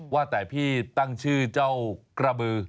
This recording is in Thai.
ว่าแต่พี่ตั้งชื่อเจ้ากระบือ